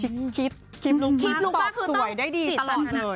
คิดลุกมากตอบสวยได้ดีตลอดเลย